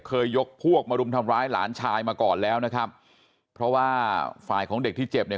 ยกพวกมารุมทำร้ายหลานชายมาก่อนแล้วนะครับเพราะว่าฝ่ายของเด็กที่เจ็บเนี่ย